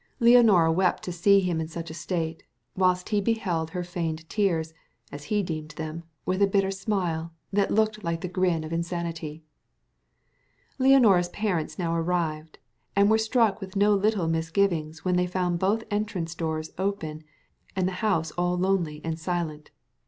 Leonora wept to see him in such a state, whilst he beheld her feigned tears, as he deemed them, with a bitter smile, that looked like the grin of insanity. Leonora's parents now arrived, and were struck with no little misgivings when they found both entrance doors open and the house all lonely and silent.